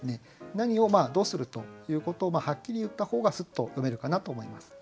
何をどうするということをはっきり言った方がスッと読めるかなと思います。